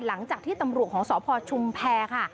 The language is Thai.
หลังจากที่ตำรวจของสพชุมแพรค่ะ